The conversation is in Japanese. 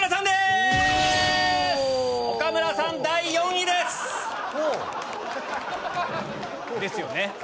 ですよね？